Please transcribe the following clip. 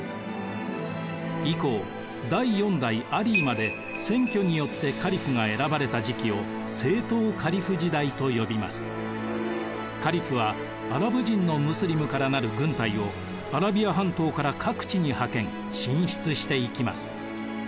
以降第４代アリーまで選挙によってカリフが選ばれた時期をカリフはアラブ人のムスリムから成る軍隊をアラビア半島から各地に派遣進出していきます。